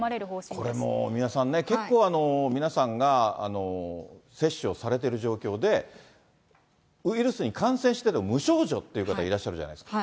これも三輪さんね、結構、皆さんが接種をされてる状況で、ウイルスに感染してても無症状っていう方いらっしゃるじゃないですか。